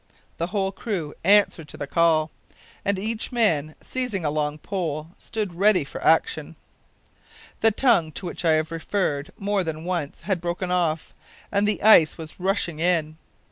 The whole crew answered to the call, and each man, seizing a long pole, stood ready for action. The tongue to which I have referred more than once had broken off, and the ice was rushing in.